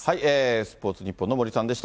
スポーツニッポンの森さんでした。